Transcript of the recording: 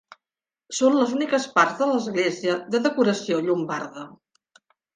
Són les úniques parts de l'església de decoració llombarda.